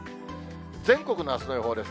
全国のあすの予報です。